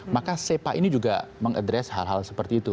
maka sepa ini juga mengadres hal hal seperti itu